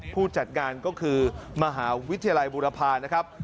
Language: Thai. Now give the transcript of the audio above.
ผู้จัดงานก็คือมหาวิทยาลัยบุรพานะครับ